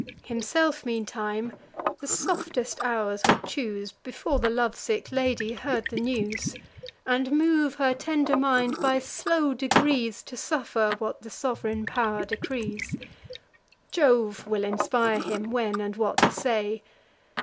Himself, meantime, the softest hours would choose, Before the love sick lady heard the news; And move her tender mind, by slow degrees, To suffer what the sov'reign pow'r decrees: Jove will inspire him, when, and what to say.